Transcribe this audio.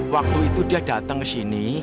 waktu itu dia datang kesini